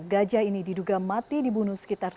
gajah ini diduga mati dibunuh sekitar